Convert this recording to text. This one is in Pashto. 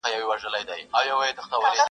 د ټګانو کوډګرانو له دامونو -